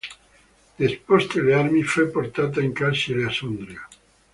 Deposte le armi, fu portata in carcere a Sondrio.